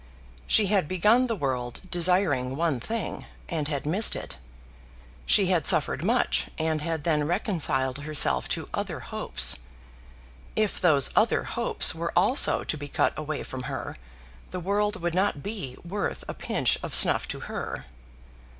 She had begun the world desiring one thing, and had missed it. She had suffered much, and had then reconciled herself to other hopes. If those other hopes were also to be cut away from her, the world would not be worth a pinch of snuff to her.